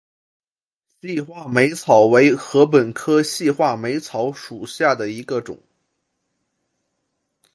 细画眉草为禾本科细画眉草属下的一个种。